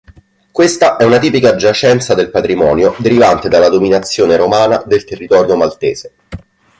Questa è una tipica giacenza del patrimonio derivante dalla dominazione romana del territorio maltese.